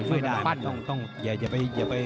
ไม่ได้ต้องอย่าไป